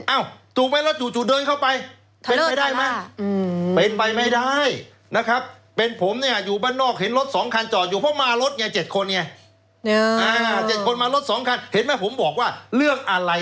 อ้าวจู่ไปแล้วจู่เดินเข้าไป